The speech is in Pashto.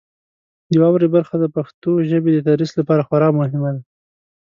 د واورئ برخه د پښتو ژبې د تدریس لپاره خورا مهمه ده.